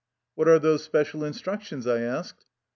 "What are those special instructions?'' I asked.